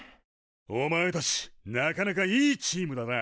おまえたちなかなかいいチームだな。